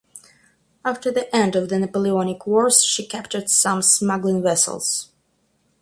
After the end of the Napoleonic Wars she captured some smuggling vessels.